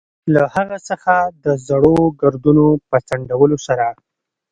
له هغه څخه د زړو ګردونو په څنډلو سره.